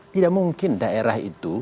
tidak mungkin daerah itu